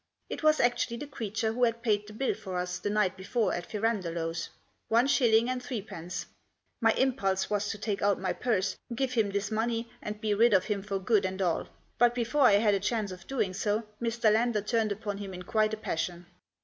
It was actually the creature who had paid the bill for us the night before at Firandolo's — one shilling and three pence ! My impulse was to take out my purse, give him this money, and be rid of him for good and all. But, before I had a chance of doing so, Mr. Lander turned upon him in quite a passion.